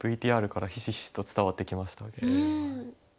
ＶＴＲからひしひしと伝わってきました。